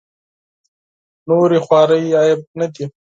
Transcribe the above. نورې خوارۍ عیب نه دي.